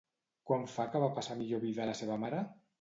Quant fa que va passar a millor vida la seva mare?